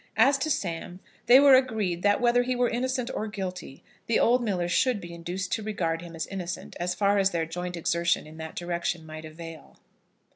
As to Sam, they were agreed that, whether he were innocent or guilty, the old miller should be induced to regard him as innocent, as far as their joint exertion in that direction might avail.